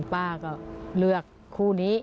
ป้าก็เลือกคู่นี้